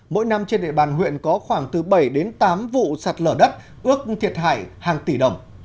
mỗi năm trên địa bàn huyện có khoảng từ bảy đến tám vụ sạt lở đất ước thiệt hại hàng tỷ đồng